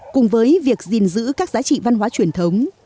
cùng với việc gìn giữ các giá trị văn hóa truyền thống